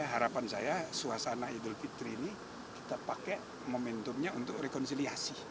harapan saya suasana idul fitri ini kita pakai momentumnya untuk rekonsiliasi